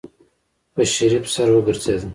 په شريف سر وګرځېده.